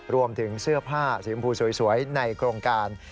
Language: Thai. รวมถึงเสื้อผ้าสีชมพูสวยในโครงการ